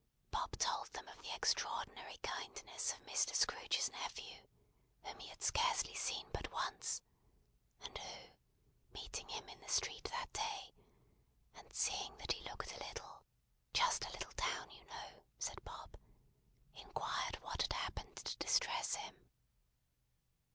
Bob told them of the extraordinary kindness of Mr. Scrooge's nephew, whom he had scarcely seen but once, and who, meeting him in the street that day, and seeing that he looked a little "just a little down you know," said Bob, inquired what had happened to distress him.